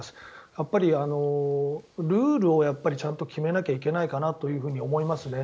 やっぱりルールをちゃんと決めなきゃいけないと思いますね